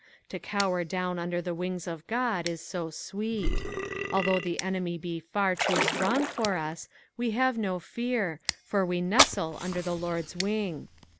To cower down under the wings of Ood is so sweet. Although the enemy be far too strong for us, we have no fear, for we nestle under the Lord's wing.